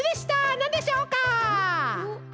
なんでしょうか？